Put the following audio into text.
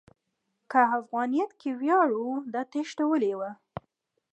که افغانیت کې ویاړ و، دا تېښته ولې وه؟